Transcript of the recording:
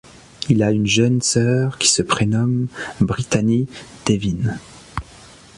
Il a une jeune sœur qui se prénomme Brittani DeVine.